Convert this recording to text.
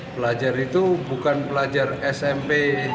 pelajar itu bukan pelajar smp tujuh puluh dua